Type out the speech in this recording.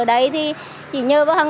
vì vậy thì chỉ nhớ vào hàng